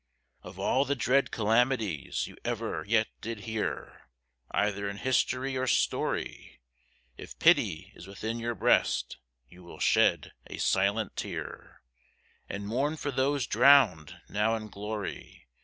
Of all the dread calamities you ever yet did hear, Either in history or story; If pity is within your breast, you will shed a silent tear, And mourn for those drowned, now in glory!